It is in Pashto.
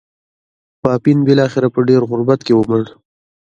پاپین بلاخره په ډېر غربت کې ومړ.